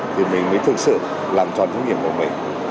thì mình mới thực sự làm trọn thông nghiệp của mình